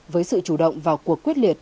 với sự chủ động vào cuộc quyết liệt